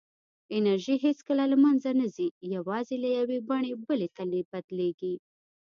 انرژي هېڅکله له منځه نه ځي، یوازې له یوې بڼې بلې ته بدلېږي.